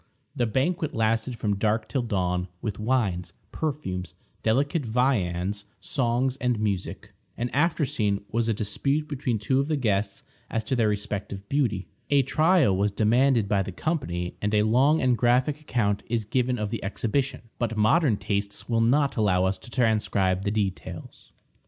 The banquet lasted from dark till dawn, with wines, perfumes, delicate viands, songs, and music. An after scene was a dispute between two of the guests as to their respective beauty. A trial was demanded by the company, and a long and graphic account is given of the exhibition, but modern tastes will not allow us to transcribe the details.